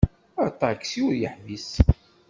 Aṭaksi ur d-yeḥbis.